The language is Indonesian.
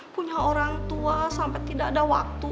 punya orang tua sampai tidak ada waktu